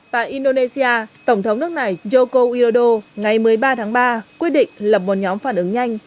tại indonesia tổng thống nước này yoko udodo ngày một mươi ba tháng ba quyết định lập một nhóm phản ứng nhanh